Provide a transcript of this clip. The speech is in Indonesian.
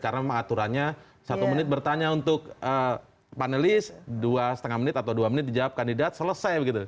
karena memang aturannya satu menit bertanya untuk panelis dua setengah menit atau dua menit dijawab kandidat selesai begitu